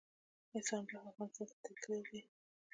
احسان بخت افغانستان ته تښتېدلی دی.